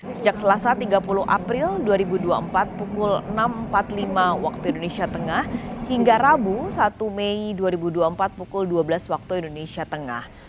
sejak selasa tiga puluh april dua ribu dua puluh empat pukul enam empat puluh lima waktu indonesia tengah hingga rabu satu mei dua ribu dua puluh empat pukul dua belas waktu indonesia tengah